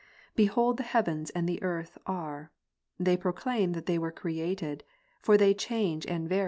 Behold, the heavens and the earth are ; they pro claim that they were created ; for they change and vary ^.